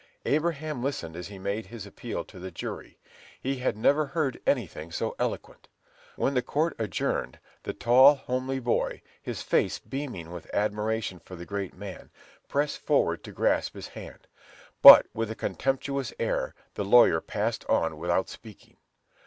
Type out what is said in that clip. Abraham listened as he made his appeal to the jury. He had never heard anything so eloquent. When the court adjourned the tall, homely boy, his face beaming with admiration for the great man, pressed forward to grasp his hand; but, with a contemptuous air, the lawyer passed on without speaking.